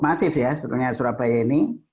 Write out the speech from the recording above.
masif ya sebetulnya surabaya ini